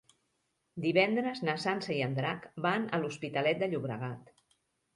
Divendres na Sança i en Drac van a l'Hospitalet de Llobregat.